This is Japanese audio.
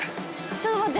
ちょっと待って。